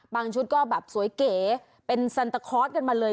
ชุดก็แบบสวยเก๋เป็นซันตะคอร์สกันมาเลย